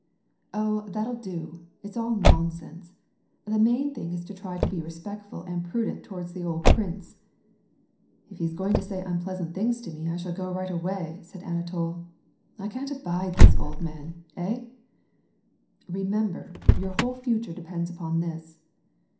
Oh, that'll do ! It's all nonsense. The main thing is to try to be respectful and prudent towards the old prince.^' *' If he's going to say unpleasant things to me, I shall go right away," said Anatol. "I can't abide these old men. Hey ?"" ilemeraber, your whole future depends upon this."